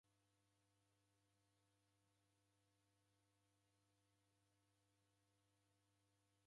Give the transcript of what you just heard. Ughu mtorori ghwadima kuduka vilambo vilemere.